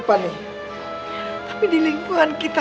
dia siap saweran jadi dia dianggapka si site